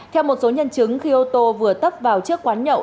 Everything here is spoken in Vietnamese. theo một số nhân chứng khi ô tô vừa tấp vào trước quán nhậu